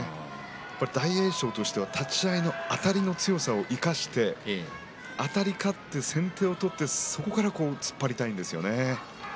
大栄翔としては立ち合いのあたりの強さを生かしてあたり勝って先手を取ってそこから突っ張りたいですよね。